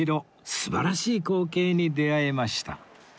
素晴らしい光景に出会えました